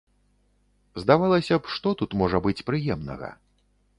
Здавалася б, што тут можа быць прыемнага?